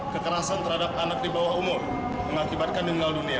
kekerasan terhadap anak di bawah umur mengakibatkan meninggal dunia